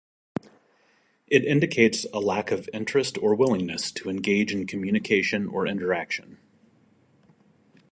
It indicates a lack of interest or willingness to engage in communication or interaction.